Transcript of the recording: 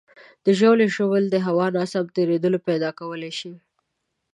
د ژاولې ژوول د هوا ناسم تېرېدل پیدا کولی شي.